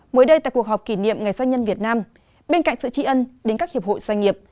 mới đây tại cuộc họp kỷ niệm ngày doanh nhân việt nam bên cạnh sự tri ân đến các hiệp hội doanh nghiệp